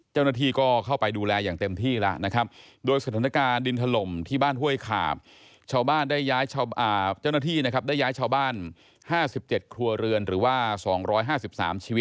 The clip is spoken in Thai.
เจ้าหน้าที่ก็เข้าไปดูแลอย่างเต็มที่แล้วนะครับ